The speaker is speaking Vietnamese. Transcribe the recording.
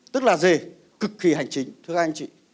tức là về cực kỳ hành chính thưa các anh chị